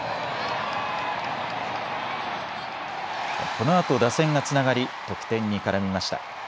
このあと打線がつながり得点に絡みました。